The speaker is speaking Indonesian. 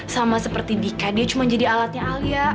sama seperti dika dia cuma jadi alatnya alia